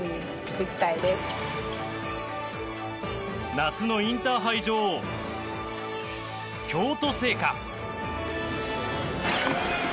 夏のインターハイ女王京都精華。